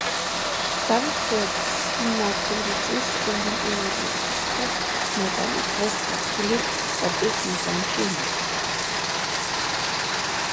დავით ციმაკურიძის ოლიმპიური ოქროს მედალი დღეს ქართული სპორტის მუზეუმში ინახება.